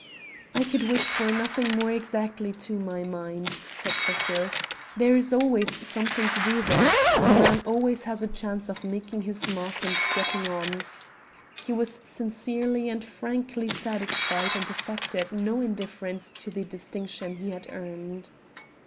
"I could wish for nothing more exactly to my mind," said Cecil. "There is always something to do there; a man always has a chance of making his mark and getting on." He was sincerely and frankly satisfied and affected no indifference to the distinction he had earned.